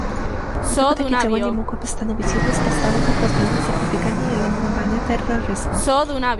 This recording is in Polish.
Dlatego takie działanie mogłoby stanowić jedno z podstawowych rozwiązań zapobiegania i eliminowania terroryzmu